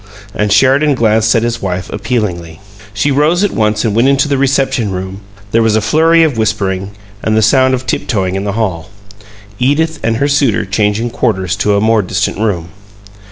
and Sheridan glanced across at his wife appealingly. She rose at once and went into the "reception room"; there was a flurry of whispering, and the sound of tiptoeing in the hall Edith and her suitor changing quarters to a more distant room.